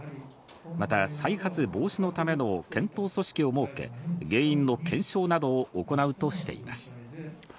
また再発防止のための検討組織を設け、原因の検証などを行うとしています。